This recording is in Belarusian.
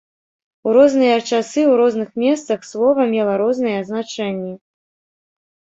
У розныя часы, у розных месцах слова мела розныя значэнні.